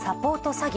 詐欺。